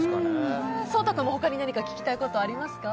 颯太君も他に聞きたいことありますか？